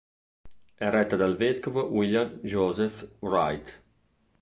È retta dal vescovo William Joseph Wright.